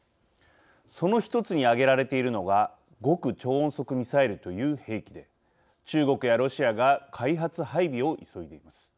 その１つに挙げられているのが極超音速ミサイルという兵器で中国やロシアが開発・配備を急いでいます。